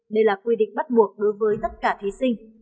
đây là quy định bắt buộc đối với tất cả thí sinh